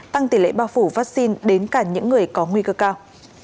tăng tỷ lệ bao phủ vaccine đến cả những người có nguy cơ cao